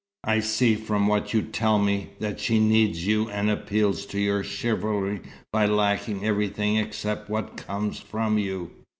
I see from what you tell me, that she needs you and appeals to your chivalry by lacking everything except what comes from you.